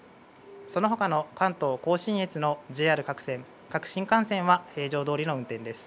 そのほかの関東甲信越のＪＲ各線、各新幹線は平常どおりの運転です。